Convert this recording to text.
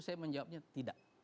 saya menjawabnya tidak